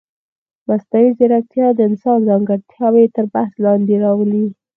مصنوعي ځیرکتیا د انسان ځانګړتیاوې تر بحث لاندې راولي.